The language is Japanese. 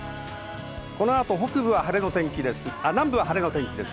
このあと北部は晴れの天気です。